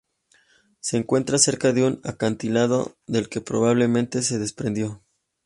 Se encuentra cerca de un acantilado, del que probablemente se desprendió.